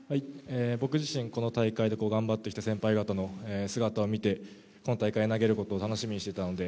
僕自身、この大会で頑張ってきた先輩方の姿を見て今大会投げることを楽しみにしていたので